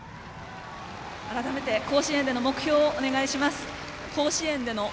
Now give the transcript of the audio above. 改めて甲子園での目標をお願いします。